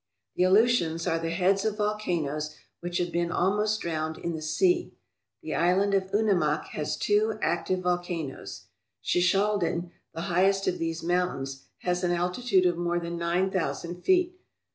The Aleutians are the heads of volcanoes which have been almost drowned in the sea. The Island of Unimak has two active volcanoes. Shishaldin, the highest of these mountains, has an altitude of more than nine thousand feet.